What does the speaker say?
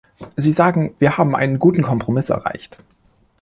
Sie sagen, wir haben einen guten Kompromiss erreicht.